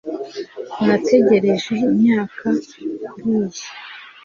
nategereje imyaka kuriyi